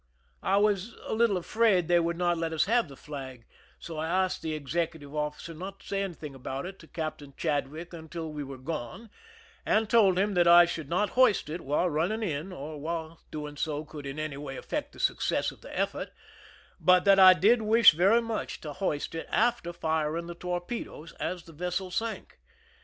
I was a little afraid they would not let us ha^ e the flag, so I asked the executive officer not to say anything about it to Captain Chad wick until we were gone, and told him that I should not hoist it wh lie running in or while doing so could in any way affect the success of the effort, but that I did wish very much to hoist it after firing the torpedoes, as the vessel sank.